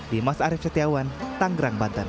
dimas arief setiawan tanggerang banten